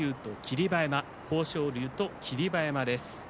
豊昇龍と霧馬山です。